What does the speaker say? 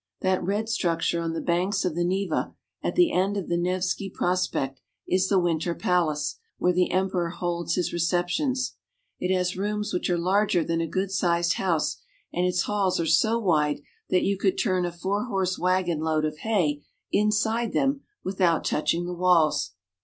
That red structure on the banks of the Neva, at the end of the Nevski Prospekt, is the Winter Palace, where the emperor holds his recep tions. It has rooms which are larger than a good sized house, and its halls are so wide that you could turn a four horse wagon load of hay inside them without touching the walls.